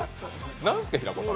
何すか、平子さん？